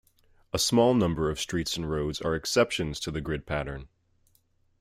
A small number of streets and roads are exceptions to the grid pattern.